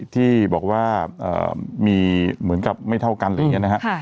ที่บอกว่ามีเหมือนกับไม่เท่ากันอะไรอย่างนี้นะครับ